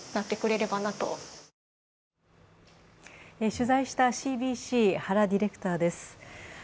取材したＣＢＣ、原ディレクターです。